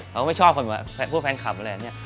เขาก็ไม่ชอบคนแบบพวกแฟนคลับอะไรอย่างนี้